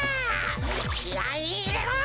きあいいれろ！